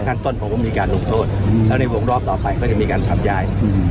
ก่อนผมก็มีการหลบโทษแล้วในวงรอบต่อไปก็จะมีการกลับใหญ่